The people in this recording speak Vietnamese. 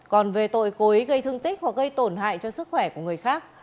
còn về tội cố ý gây thương tích hoặc gây tổn hại cho sức khỏe của người khác